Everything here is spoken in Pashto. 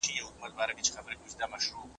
د اقتصادي ودي اصطلاح يوازي کمي شاخصونه څرګندوي.